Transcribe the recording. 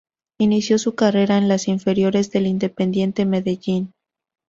Inició su carrera en las inferiores del Independiente Medellín.